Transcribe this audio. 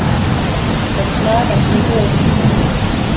Pertsona bat atxilotu egin dute.